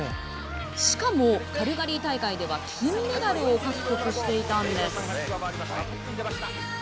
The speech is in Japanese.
しかもカルガリー大会では金メダルを獲得していたんです。